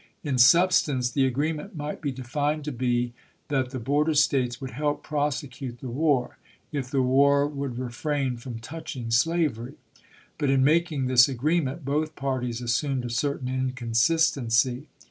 In substance the agreement might be defined to be, that the border States would help prosecute the war, if the war would refrain from touching slav ery. But in making this agreement, both parties assumed a certain inconsistency.